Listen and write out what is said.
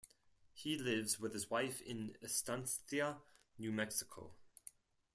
He lives with his wife in Estancia, New Mexico.